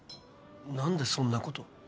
何でそんなこと。